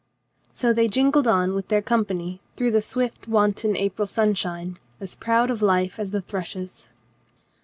So they jingled on with their company through the swift wanton April sunshine, as proud of life .as the thrushes.